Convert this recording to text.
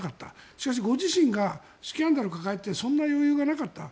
しかしご自身がスキャンダルを抱えてそんな余裕がなかった。